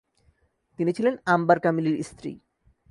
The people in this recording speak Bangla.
তিনি ছিলেন আম্বার কামিলির স্ত্রী।